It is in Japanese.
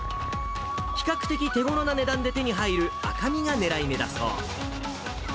比較的手ごろな値段で手に入る赤身が狙い目だそう。